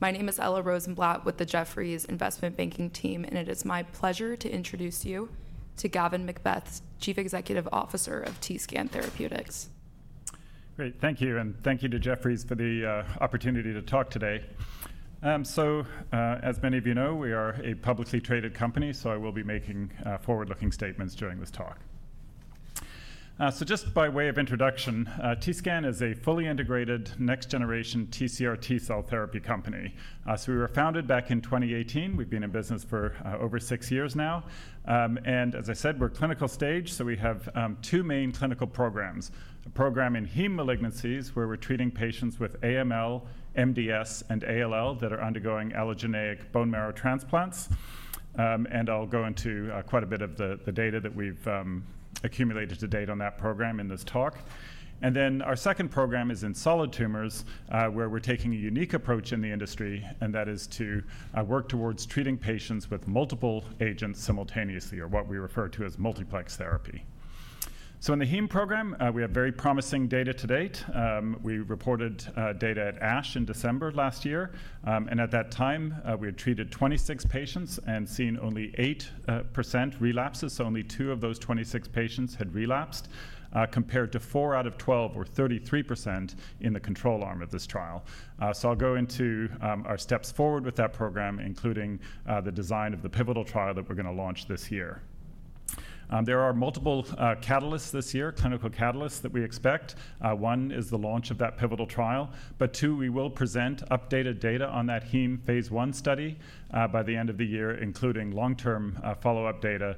My name is Ella Rosenblatt with the Jefferies Investment Banking team, and it is my pleasure to introduce you to Gavin MacBeath, Chief Executive Officer of TScan Therapeutics. Great, thank you, and thank you to Jefferies for the opportunity to talk today. As many of you know, we are a publicly traded company, so I will be making forward-looking statements during this talk. Just by way of introduction, TScan is a fully integrated next-generation tcr-T-cell therapy company. We were founded back in 2018. We've been in business for over six years now. As I said, we're clinical stage, so we have two main clinical programs: a program in heme malignancies, where we're treating patients with AML, MDS, and ALL that are undergoing allogeneic bone marrow transplants. I'll go into quite a bit of the data that we've accumulated to date on that program in this talk. Our second program is in solid tumors, where we're taking a unique approach in the industry, and that is to work towards treating patients with multiple agents simultaneously, or what we refer to as multiplex therapy. In the heme program, we have very promising data to date. We reported data at ASH in December last year, and at that time, we had treated 26 patients and seen only 8% relapses. Only two of those 26 patients had relapsed, compared to 4 out of 12, or 33%, in the control arm of this trial. I'll go into our steps forward with that program, including the design of the pivotal trial that we're going to launch this year. There are multiple catalysts this year, clinical catalysts that we expect. One is the launch of that pivotal trial. We will present updated data on that heme phase I study by the end of the year, including long-term follow-up data,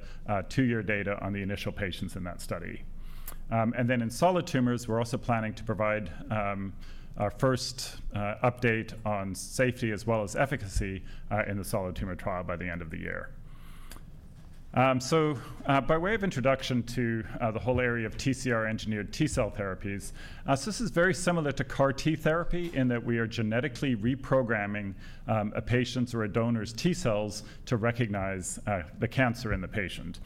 two-year data on the initial patients in that study. In solid tumors, we're also planning to provide our first update on safety as well as efficacy in the solid tumor trial by the end of the year. By way of introduction to the whole area of TCR-engineered T-cell therapies, this is very similar to CAR T therapy in that we are genetically reprogramming a patient's or a donor's T-cells to recognize the cancer in the patient.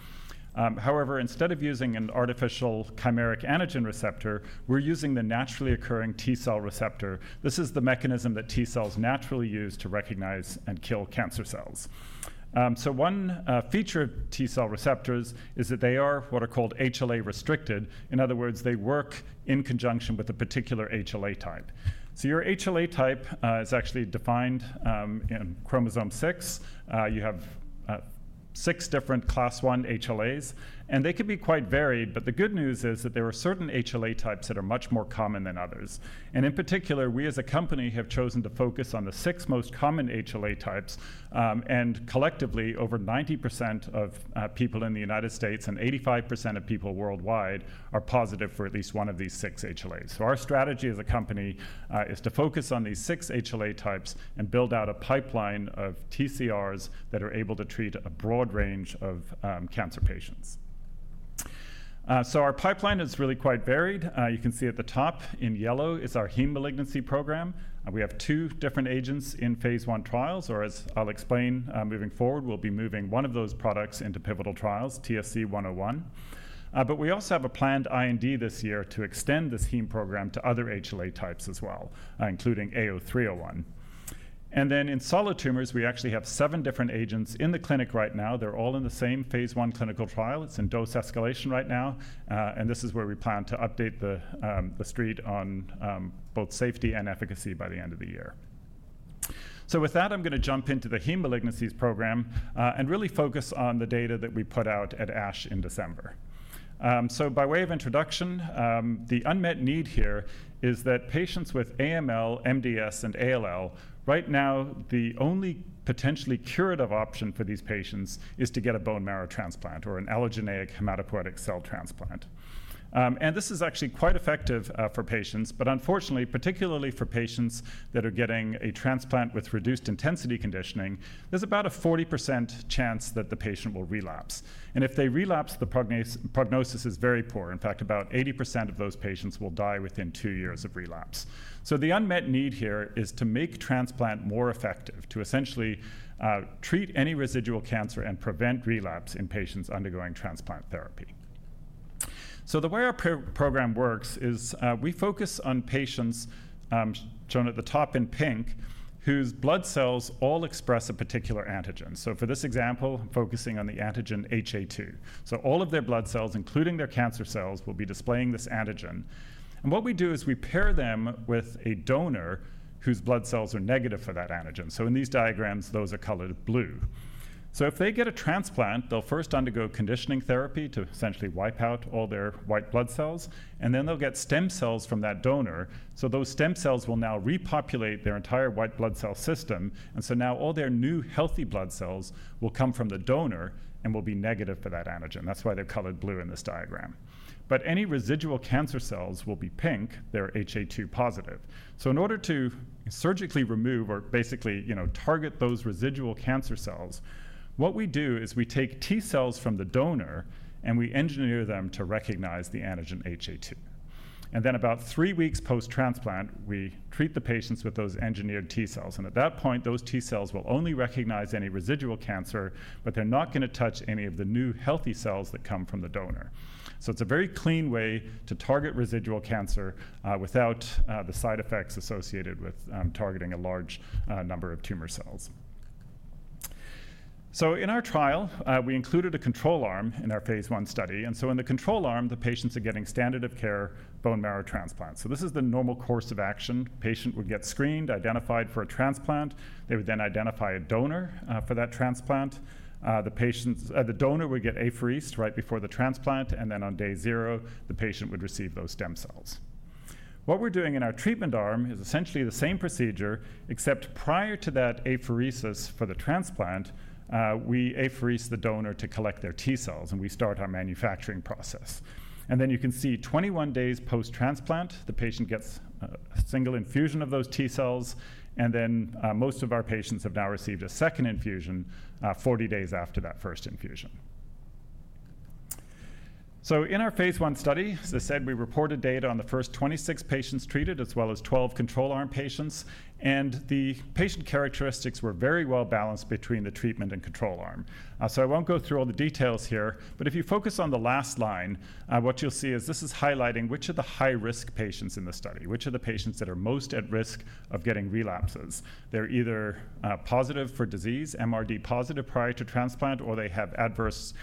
However, instead of using an artificial chimeric antigen receptor, we're using the naturally occurring T-cell receptor. This is the mechanism that T-cells naturally use to recognize and kill cancer cells. One feature of T-cell receptors is that they are what are called HLA-restricted. In other words, they work in conjunction with a particular HLA type. Your HLA type is actually defined in chromosome six. You have six different class one HLAs, and they can be quite varied. The good news is that there are certain HLA types that are much more common than others. In particular, we as a company have chosen to focus on the six most common HLA types. Collectively, over 90% of people in the United States and 85% of people worldwide are positive for at least one of these six HLAs. Our strategy as a company is to focus on these six HLA types and build out a pipeline of TCRs that are able to treat a broad range of cancer patients. Our pipeline is really quite varied. You can see at the top in yellow is our heme malignancy program. We have two different agents in phase I trials, or as I'll explain moving forward, we'll be moving one of those products into pivotal trials, TSC-101. We also have a planned IND this year to extend this heme program to other HLA types as well, including A*03:01. In solid tumors, we actually have seven different agents in the clinic right now. They're all in the same phase I clinical trial. It's in dose escalation right now. This is where we plan to update the street on both safety and efficacy by the end of the year. With that, I'm going to jump into the heme malignancies program and really focus on the data that we put out at ASH in December. By way of introduction, the unmet need here is that patients with AML, MDS, and ALL, right now, the only potentially curative option for these patients is to get a bone marrow transplant or an allogeneic hematopoietic cell transplant. This is actually quite effective for patients, but unfortunately, particularly for patients that are getting a transplant with reduced intensity conditioning, there's about a 40% chance that the patient will relapse. If they relapse, the prognosis is very poor. In fact, about 80% of those patients will die within two years of relapse. The unmet need here is to make transplant more effective, to essentially treat any residual cancer and prevent relapse in patients undergoing transplant therapy. The way our program works is we focus on patients, shown at the top in pink, whose blood cells all express a particular antigen. For this example, I'm focusing on the antigen HA-2. All of their blood cells, including their cancer cells, will be displaying this antigen. What we do is we pair them with a donor whose blood cells are negative for that antigen. In these diagrams, those are colored blue. If they get a transplant, they'll first undergo conditioning therapy to essentially wipe out all their white blood cells, and then they'll get stem cells from that donor. Those stem cells will now repopulate their entire white blood cell system. Now all their new healthy blood cells will come from the donor and will be negative for that antigen. That's why they're colored blue in this diagram. Any residual cancer cells will be pink. They're HA-2 positive. In order to surgically remove or basically target those residual cancer cells, what we do is we take T-cells from the donor and we engineer them to recognize the antigen HA-2. Then about three weeks post-transplant, we treat the patients with those engineered T-cells. At that point, those T-cells will only recognize any residual cancer, but they're not going to touch any of the new healthy cells that come from the donor. It is a very clean way to target residual cancer without the side effects associated with targeting a large number of tumor cells. In our trial, we included a control arm in our phase I study. In the control arm, the patients are getting standard of care bone marrow transplants. This is the normal course of action. The patient would get screened, identified for a transplant. They would then identify a donor for that transplant. The donor would get apherese right before the transplant, and then on day zero, the patient would receive those stem cells. What we're doing in our treatment arm is essentially the same procedure, except prior to that apheresis for the transplant, we apherese the donor to collect their T-cells, and we start our manufacturing process. You can see 21 days post-transplant, the patient gets a single infusion of those T-cells, and most of our patients have now received a second infusion 40 days after that first infusion. In our phase I study, as I said, we reported data on the first 26 patients treated, as well as 12 control arm patients. The patient characteristics were very well balanced between the treatment and control arm. I won't go through all the details here, but if you focus on the last line, what you'll see is this is highlighting which are the high-risk patients in the study, which are the patients that are most at risk of getting relapses. They're either positive for disease, MRD positive prior to transplant, or they have adverse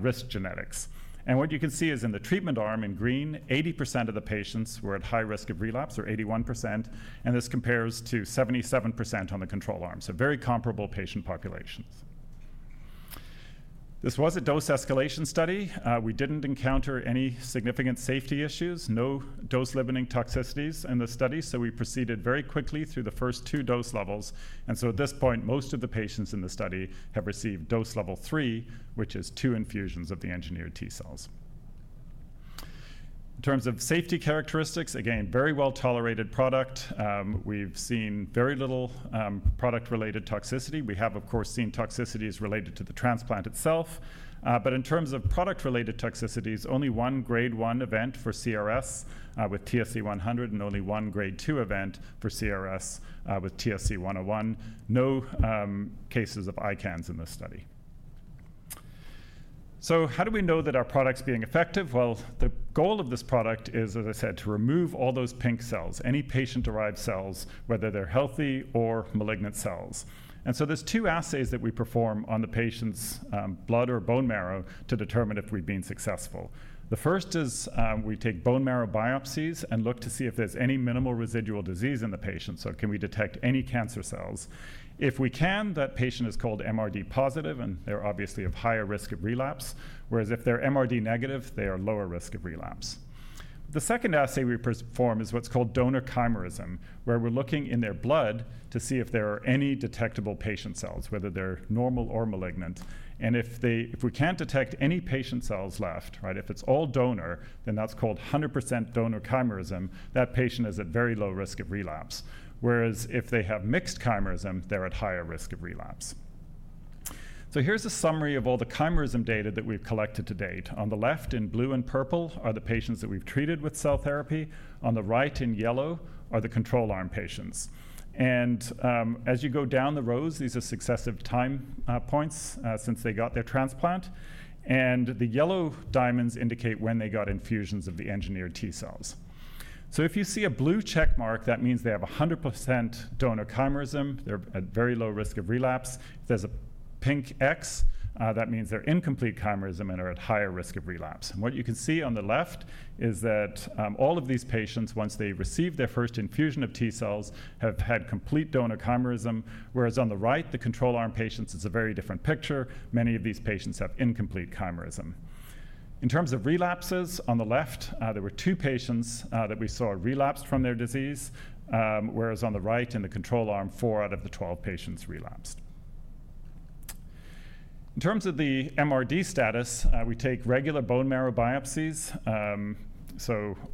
risk genetics. What you can see is in the treatment arm in green, 80% of the patients were at high risk of relapse, or 81%, and this compares to 77% on the control arm. Very comparable patient populations. This was a dose escalation study. We didn't encounter any significant safety issues, no dose-limiting toxicities in the study, so we proceeded very quickly through the first two dose levels. At this point, most of the patients in the study have received dose level three, which is two infusions of the engineered T-cells. In terms of safety characteristics, again, very well tolerated product. We've seen very little product-related toxicity. We have, of course, seen toxicities related to the transplant itself. In terms of product-related toxicities, only one grade one event for CRS with TSC-100 and only one grade two event for CRS with TSC-101. No cases of ICANS in this study. How do we know that our product's being effective? The goal of this product is, as I said, to remove all those pink cells, any patient-derived cells, whether they're healthy or malignant cells. There are two assays that we perform on the patient's blood or bone marrow to determine if we've been successful. The first is we take bone marrow biopsies and look to see if there's any minimal residual disease in the patient. Can we detect any cancer cells? If we can, that patient is called MRD positive, and they're obviously of higher risk of relapse, whereas if they're MRD negative, they are lower risk of relapse. The second assay we perform is what's called donor chimerism, where we're looking in their blood to see if there are any detectable patient cells, whether they're normal or malignant. If we can't detect any patient cells left, right, if it's all donor, then that's called 100% donor chimerism. That patient is at very low risk of relapse, whereas if they have mixed chimerism, they're at higher risk of relapse. Here's a summary of all the chimerism data that we've collected to date. On the left in blue and purple are the patients that we've treated with cell therapy. On the right in yellow are the control arm patients. As you go down the rows, these are successive time points since they got their transplant. The yellow diamonds indicate when they got infusions of the engineered T-cells. If you see a blue checkmark, that means they have 100% donor chimerism. They're at very low risk of relapse. If there's a pink X, that means they're incomplete chimerism and are at higher risk of relapse. What you can see on the left is that all of these patients, once they received their first infusion of T-cells, have had complete donor chimerism, whereas on the right, the control arm patients, it's a very different picture. Many of these patients have incomplete chimerism. In terms of relapses, on the left, there were two patients that we saw relapsed from their disease, whereas on the right, in the control arm, four out of the 12 patients relapsed. In terms of the MRD status, we take regular bone marrow biopsies.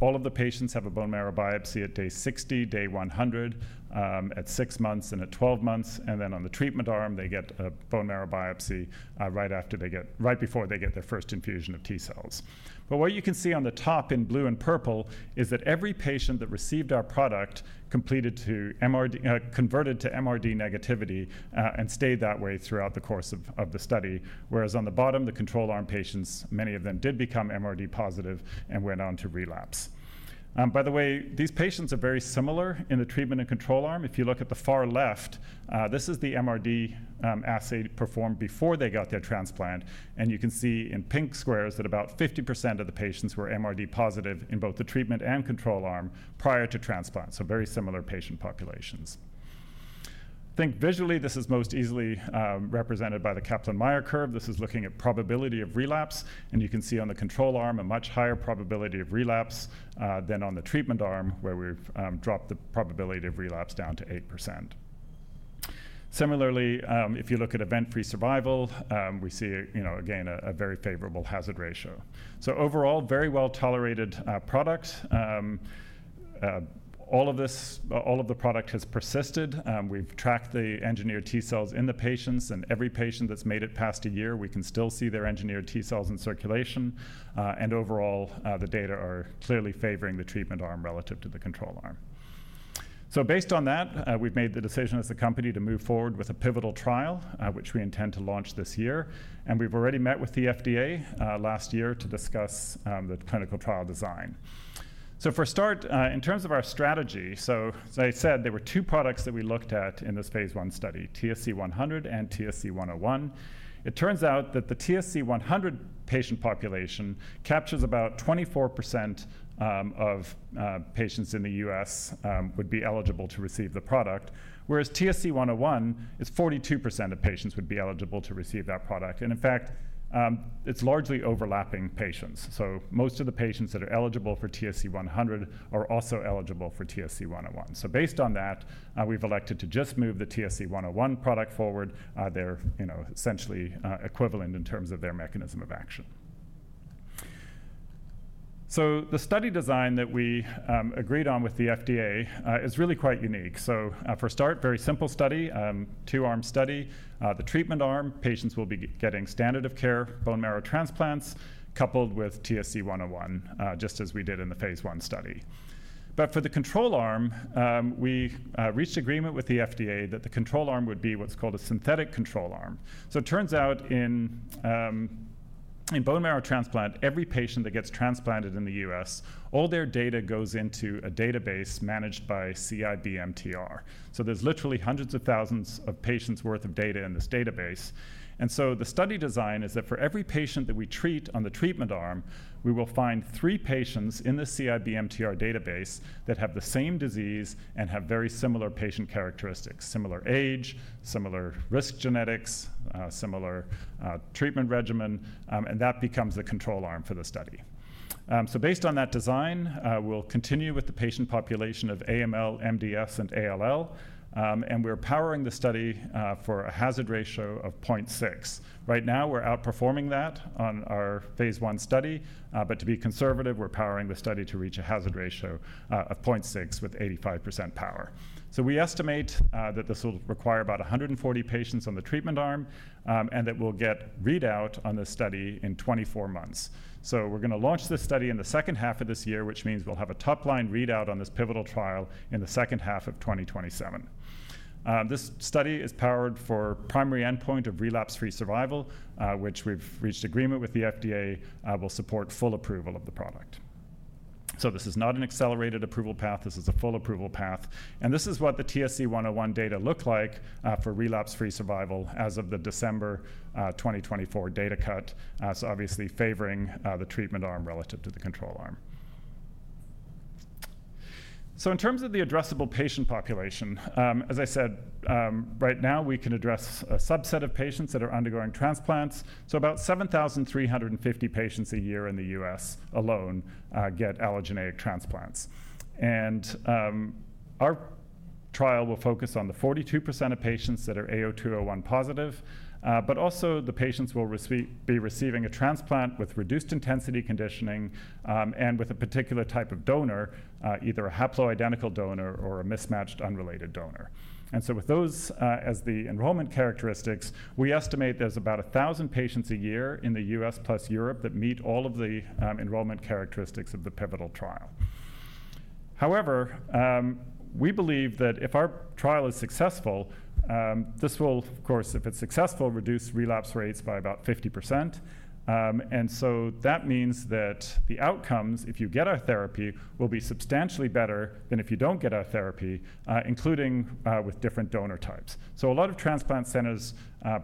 All of the patients have a bone marrow biopsy at day 60, day 100, at six months and at 12 months. On the treatment arm, they get a bone marrow biopsy right before they get their first infusion of T-cells. What you can see on the top in blue and purple is that every patient that received our product converted to MRD negativity and stayed that way throughout the course of the study, whereas on the bottom, the control arm patients, many of them did become MRD positive and went on to relapse. By the way, these patients are very similar in the treatment and control arm. If you look at the far left, this is the MRD assay performed before they got their transplant. You can see in pink squares that about 50% of the patients were MRD positive in both the treatment and control arm prior to transplant. Very similar patient populations. I think visually, this is most easily represented by the Kaplan-Meier curve. This is looking at probability of relapse. You can see on the control arm, a much higher probability of relapse than on the treatment arm, where we've dropped the probability of relapse down to 8%. Similarly, if you look at event-free survival, we see, again, a very favorable hazard ratio. Overall, very well tolerated products. All of the product has persisted. We've tracked the engineered T-cells in the patients. Every patient that's made it past a year, we can still see their engineered T-cells in circulation. Overall, the data are clearly favoring the treatment arm relative to the control arm. Based on that, we've made the decision as a company to move forward with a pivotal trial, which we intend to launch this year. We've already met with the FDA last year to discuss the clinical trial design. For a start, in terms of our strategy, as I said, there were two products that we looked at in this phase I study, TSC-100 and TSC-101. It turns out that the TSC-100 patient population captures about 24% of patients in the US who would be eligible to receive the product, whereas TSC-101 is 42% of patients who would be eligible to receive that product. In fact, it's largely overlapping patients. Most of the patients that are eligible for TSC-100 are also eligible for TSC-101. Based on that, we've elected to just move the TSC-101 product forward. They're essentially equivalent in terms of their mechanism of action. The study design that we agreed on with the FDA is really quite unique. For a start, very simple study, two-arm study. The treatment arm, patients will be getting standard of care bone marrow transplants coupled with TSC-101, just as we did in the phase I study. For the control arm, we reached agreement with the FDA that the control arm would be what's called a synthetic control arm. It turns out in bone marrow transplant, every patient that gets transplanted in the U.S., all their data goes into a database managed by CIBMTR. There are literally hundreds of thousands of patients' worth of data in this database. The study design is that for every patient that we treat on the treatment arm, we will find three patients in the CIBMTR database that have the same disease and have very similar patient characteristics, similar age, similar risk genetics, similar treatment regimen. That becomes a control arm for the study. Based on that design, we'll continue with the patient population of AML, MDS, and ALL. We're powering the study for a hazard ratio of 0.6. Right now, we're outperforming that on our phase I study. To be conservative, we're powering the study to reach a hazard ratio of 0.6 with 85% power. We estimate that this will require about 140 patients on the treatment arm and that we'll get readout on this study in 24 months. We're going to launch this study in the second half of this year, which means we'll have a top-line readout on this pivotal trial in the second half of 2027. This study is powered for the primary endpoint of relapse-free survival, which we've reached agreement with the FDA will support full approval of the product. This is not an accelerated approval path. This is a full approval path. This is what the TSC-101 data look like for relapse-free survival as of the December 2024 data cut. Obviously favoring the treatment arm relative to the control arm. In terms of the addressable patient population, as I said, right now, we can address a subset of patients that are undergoing transplants. About 7,350 patients a year in the U.S. alone get allogeneic transplants. Our trial will focus on the 42% of patients that are AO201 positive, but also the patients will be receiving a transplant with reduced intensity conditioning and with a particular type of donor, either a haploidentical donor or a mismatched unrelated donor. With those as the enrollment characteristics, we estimate there's about 1,000 patients a year in the U.S. plus Europe that meet all of the enrollment characteristics of the pivotal trial. However, we believe that if our trial is successful, this will, of course, if it's successful, reduce relapse rates by about 50%. That means that the outcomes, if you get our therapy, will be substantially better than if you don't get our therapy, including with different donor types. A lot of transplant centers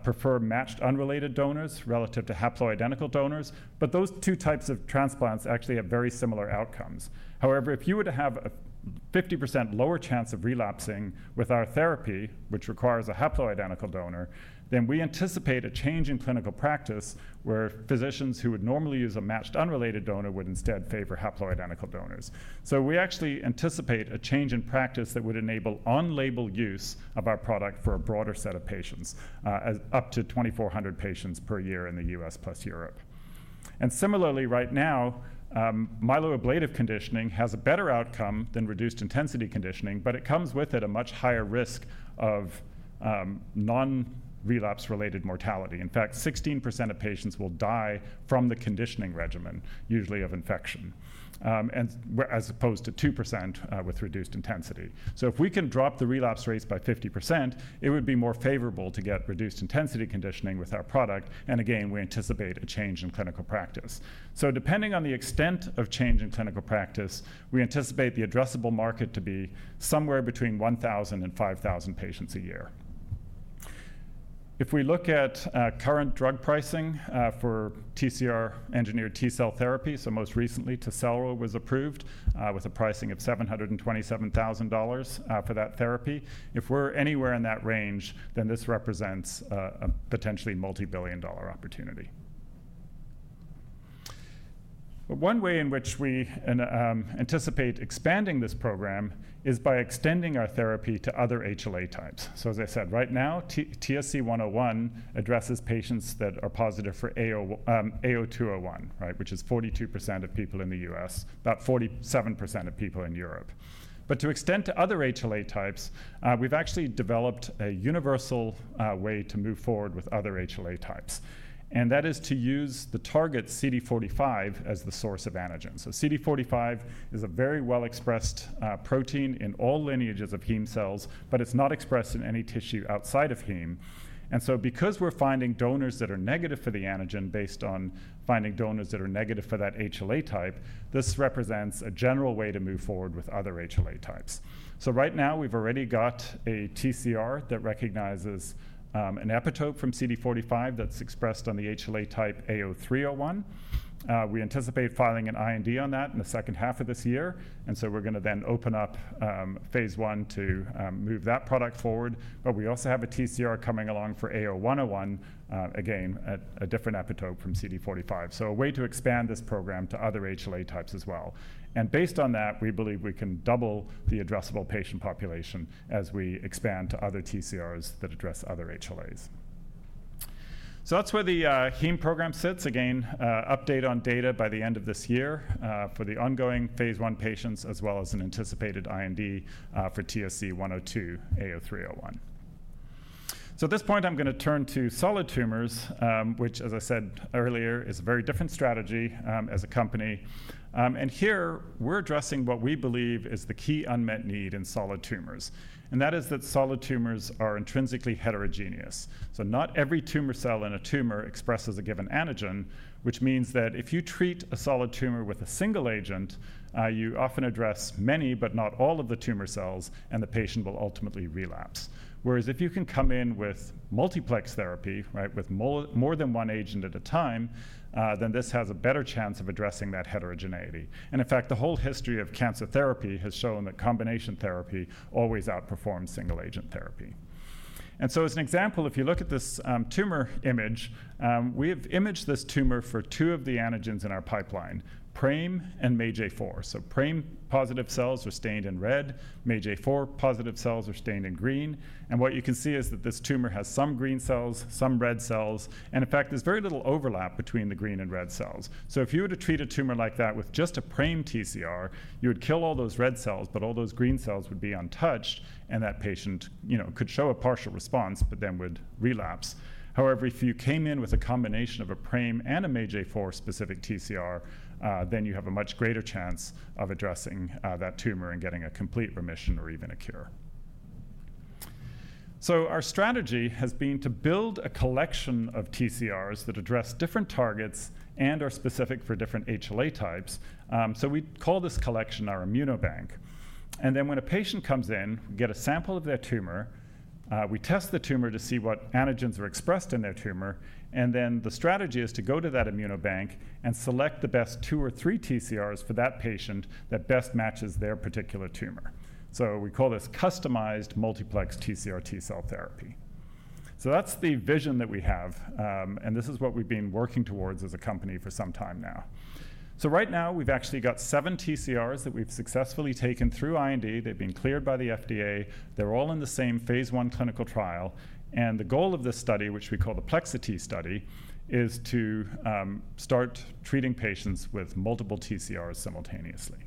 prefer matched unrelated donors relative to haploidentical donors, but those two types of transplants actually have very similar outcomes. However, if you were to have a 50% lower chance of relapsing with our therapy, which requires a haploidentical donor, then we anticipate a change in clinical practice where physicians who would normally use a matched unrelated donor would instead favor haploidentical donors. We actually anticipate a change in practice that would enable on-label use of our product for a broader set of patients, up to 2,400 patients per year in the U.S. plus Europe. Similarly, right now, myeloablative conditioning has a better outcome than reduced intensity conditioning, but it comes with a much higher risk of non-relapse-related mortality. In fact, 16% of patients will die from the conditioning regimen, usually of infection, as opposed to 2% with reduced intensity. If we can drop the relapse rates by 50%, it would be more favorable to get reduced intensity conditioning with our product. Again, we anticipate a change in clinical practice. Depending on the extent of change in clinical practice, we anticipate the addressable market to be somewhere between 1,000 and 5,000 patients a year. If we look at current drug pricing for TCR-engineered T-cell therapy, most recently, TECELRA was approved with a pricing of $727,000 for that therapy. If we're anywhere in that range, then this represents a potentially multi-billion dollar opportunity. One way in which we anticipate expanding this program is by extending our therapy to other HLA types. As I said, right now, TSC-101 addresses patients that are positive for A*02:01, which is 42% of people in the U.S., about 47% of people in Europe. To extend to other HLA types, we've actually developed a universal way to move forward with other HLA types. That is to use the target CD45 as the source of antigen. CD45 is a very well-expressed protein in all lineages of heme cells, but it is not expressed in any tissue outside of heme. Because we are finding donors that are negative for the antigen based on finding donors that are negative for that HLA type, this represents a general way to move forward with other HLA types. Right now, we have already got a TCR that recognizes an epitope from CD45 that is expressed on the HLA type A*03:01. We anticipate filing an IND on that in the second half of this year. We are going to then open up phase I to move that product forward. We also have a TCR coming along for A*01:01, again, a different epitope from CD45. This is a way to expand this program to other HLA types as well. Based on that, we believe we can double the addressable patient population as we expand to other TCRs that address other HLAs. That is where the heme program sits. Again, update on data by the end of this year for the ongoing phase I patients, as well as an anticipated IND for TSC-102-AO301. At this point, I'm going to turn to solid tumors, which, as I said earlier, is a very different strategy as a company. Here, we're addressing what we believe is the key unmet need in solid tumors. That is that solid tumors are intrinsically heterogeneous. Not every tumor cell in a tumor expresses a given antigen, which means that if you treat a solid tumor with a single agent, you often address many, but not all of the tumor cells, and the patient will ultimately relapse. Whereas if you can come in with multiplex therapy, right, with more than one agent at a time, this has a better chance of addressing that heterogeneity. In fact, the whole history of cancer therapy has shown that combination therapy always outperforms single-agent therapy. For example, if you look at this tumor image, we have imaged this tumor for two of the an``tigens in our pipeline, PRAME and MAGE-A4. PRAME positive cells are stained in red, MAGE-A4 positive cells are stained in green. What you can see is that this tumor has some green cells, some red cells. In fact, there is very little overlap between the green and red cells. If you were to treat a tumor like that with just a PRAME TCR, you would kill all those red cells, but all those green cells would be untouched. That patient could show a partial response, but then would relapse. However, if you came in with a combination of a PRAME and a MAGE-A4 specific TCR, you have a much greater chance of addressing that tumor and getting a complete remission or even a cure. Our strategy has been to build a collection of TCRs that address different targets and are specific for different HLA types. We call this collection our ImmunoBank. When a patient comes in, we get a sample of their tumor, we test the tumor to see what antigens are expressed in their tumor. The strategy is to go to that ImmunoBank and select the best two or three TCRs for that patient that best matches their particular tumor. We call this Customized Multiplex TCR T-cell Therapy. That is the vision that we have. This is what we've been working towards as a company for some time now. Right now, we've actually got seven TCRs that we've successfully taken through IND. They've been cleared by the FDA. They're all in the same phase I clinical trial. The goal of this study, which we call the PLEXI-T study, is to start treating patients with multiple TCRs simultaneously.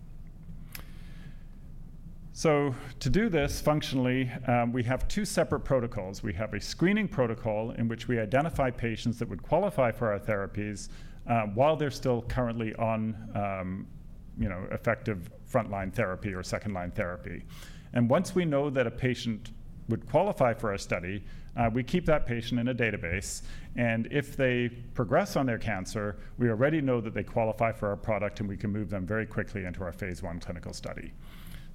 To do this functionally, we have two separate protocols. We have a screening protocol in which we identify patients that would qualify for our therapies while they're still currently on effective frontline therapy or second-line therapy. Once we know that a patient would qualify for our study, we keep that patient in a database. If they progress on their cancer, we already know that they qualify for our product, and we can move them very quickly into our phase I clinical study.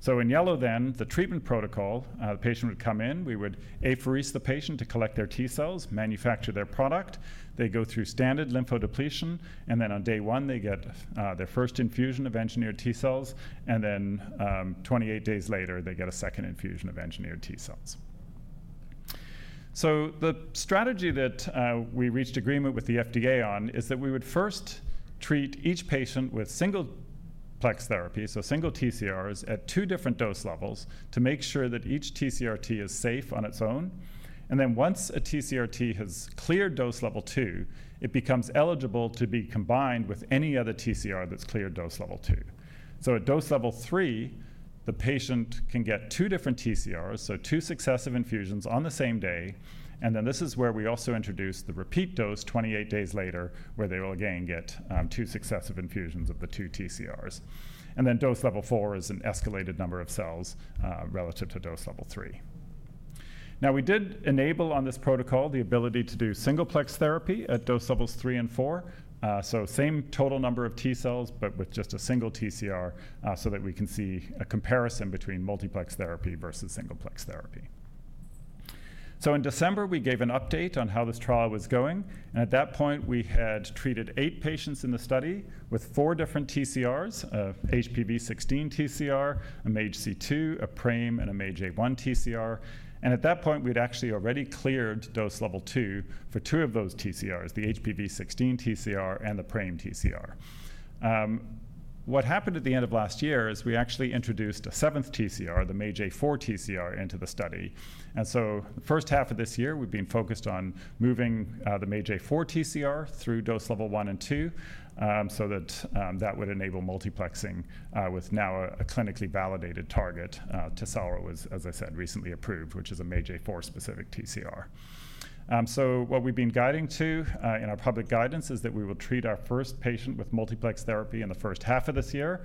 In yellow then, the treatment protocol, the patient would come in, we would apherese the patient to collect their T-cells, manufacture their product. They go through standard lymphodepletion, and then on day one, they get their first infusion of engineered T-cells. Then 28 days later, they get a second infusion of engineered T-cells. The strategy that we reached agreement with the FDA on is that we would first treat each patient with single plex therapies, so single TCRs at two different dose levels to make sure that each TCR-T is safe on its own. Once a TCR-T has cleared dose level two, it becomes eligible to be combined with any other TCR that's cleared dose level two. At dose level three, the patient can get two different TCRs, so two successive infusions on the same day. This is where we also introduce the repeat dose 28 days later, where they will again get two successive infusions of the two TCRs. Dose level four is an escalated number of cells relative to dose level three. We did enable on this protocol the ability to do single plex therapy at dose levels three and four. Same total number of T-cells, but with just a single TCR, so that we can see a comparison between multiplex therapy versus single plex therapy. In December, we gave an update on how this trial was going. At that point, we had treated eight patients in the study with four different TCRs, an HPV16 TCR, a MAGE-C2, a PRAME, and a MAGE-A1 TCR. At that point, we'd actually already cleared dose level two for two of those TCRs, the HPV16 TCR and the PRAME TCR. What happened at the end of last year is we actually introduced a seventh TCR, the MAGE-A4 TCR, into the study. The first half of this year, we've been focused on moving the MAGE-A4 TCR through dose level one and two so that that would enable multiplexing with now a clinically validated target. TECELRA was, as I said, recently approved, which is a MAGE-A4 specific TCR. What we've been guiding to in our public guidance is that we will treat our first patient with multiplex therapy in the first half of this year.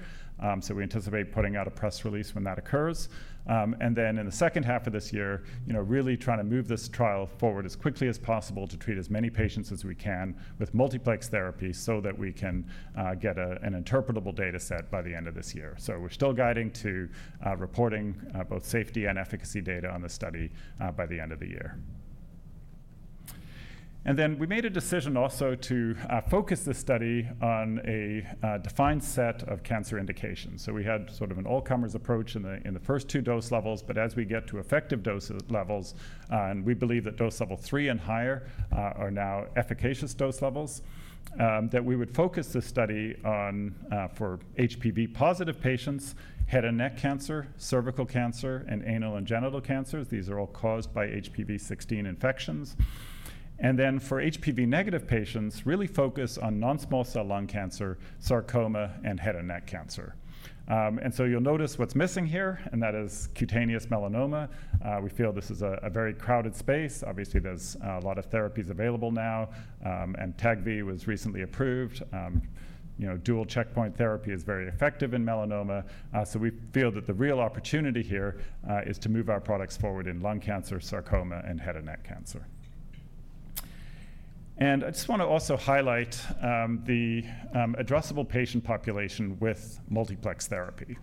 We anticipate putting out a press release when that occurs. In the second half of this year, really trying to move this trial forward as quickly as possible to treat as many patients as we can with multiplex therapy so that we can get an interpretable data set by the end of this year. We are still guiding to reporting both safety and efficacy data on the study by the end of the year. We made a decision also to focus this study on a defined set of cancer indications. We had sort of an all-comers approach in the first two dose levels. As we get to effective dose levels, and we believe that dose level three and higher are now efficacious dose levels, we would focus this study on HPV-positive patients, head and neck cancer, cervical cancer, and anal and genital cancers. These are all caused by HPV16 infections. For HPV negative patients, really focus on non-small cell lung cancer, sarcoma, and head and neck cancer. You will notice what is missing here, and that is cutaneous melanoma. We feel this is a very crowded space. Obviously, there are a lot of therapies available now. AMTAGVI was recently approved. Dual checkpoint therapy is very effective in melanoma. We feel that the real opportunity here is to move our products forward in lung cancer, sarcoma, and head and neck cancer. I just want to also highlight the addressable patient population with multiplex therapy.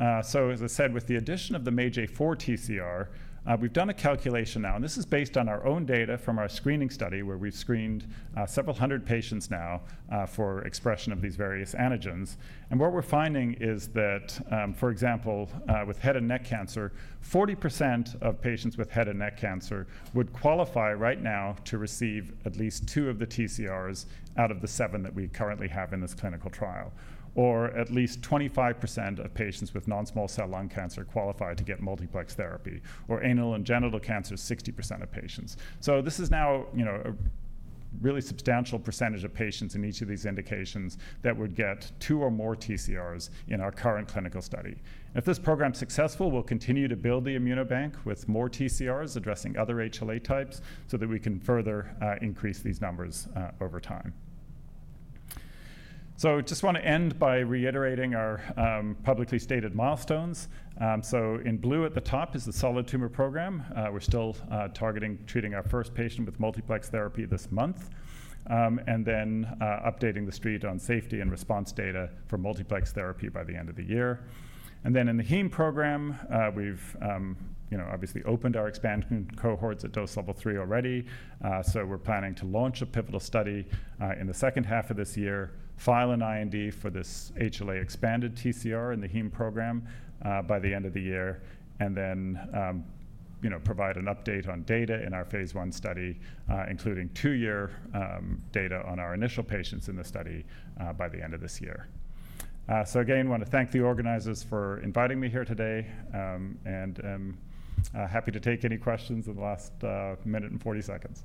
As I said, with the addition of the MAGE-A4 TCR, we have done a calculation now. This is based on our own data from our screening study where we have screened several hundred patients now for expression of these various antigens. What we're finding is that, for example, with head and neck cancer, 40% of patients with head and neck cancer would qualify right now to receive at least two of the TCRs out of the seven that we currently have in this clinical trial. At least 25% of patients with non-small cell lung cancer qualify to get multiplex therapy. For anal and genital cancer, 60% of patients. This is now a really substantial percentage of patients in each of these indications that would get two or more TCRs in our current clinical study. If this program's successful, we'll continue to build the ImmunoBank with more TCRs addressing other HLA types so that we can further increase these numbers over time. I just want to end by reiterating our publicly stated milestones. In blue at the top is the solid tumor program. We're still targeting treating our first patient with multiplex therapy this month. We are updating the street on safety and response data for multiplex therapy by the end of the year. In the heme program, we've obviously opened our expansion cohorts at dose level three already. We are planning to launch a pivotal study in the second half of this year, file an IND for this HLA expanded TCR in the heme program by the end of the year, and provide an update on data in our phase I study, including two-year data on our initial patients in the study by the end of this year. I want to thank the organizers for inviting me here today. I'm happy to take any questions in the last minute and 40 seconds.